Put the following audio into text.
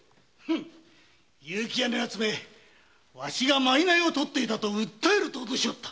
結城屋めわしが賂を取っていたと訴えると脅しおった。